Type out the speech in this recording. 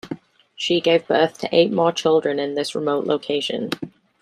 She gave birth to eight more children in this remote location.